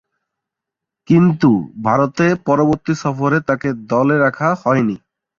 কিন্তু, ভারতে পরবর্তী সফরে তাকে দলে রাখা হয়নি।